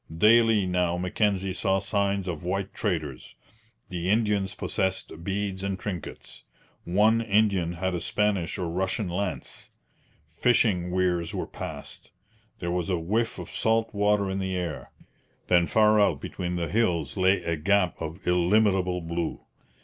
Daily now Mackenzie saw signs of white traders. The Indians possessed beads and trinkets. One Indian had a Spanish or Russian lance. Fishing weirs were passed. There was a whiff of salt water in the air; then far out between the hills lay a gap of illimitable blue.